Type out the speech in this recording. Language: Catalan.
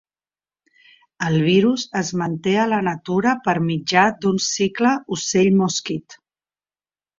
El virus es manté a la natura per mitjà d'un cicle ocell-mosquit.